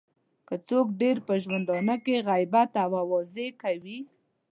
که څوک ډېر په ژوندانه کې غیبت او اوازې کوي.